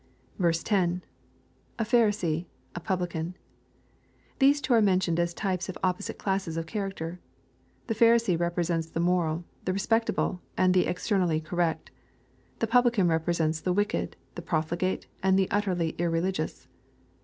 10. — [A Pharisee...a publican.] These two are mentioned as types of opposite classes of character. The Pharisee represents the mor^, the respectable, and the externally correct. The pubhcan represents the wicked, the^X)fligate, and the utterly irreligious.